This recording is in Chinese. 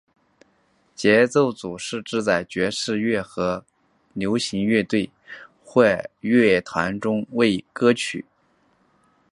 节奏组是指在爵士乐或者流行音乐乐队或乐团中为歌曲或乐曲搭建节奏的音乐家集合。